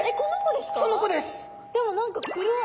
でも何か黒い。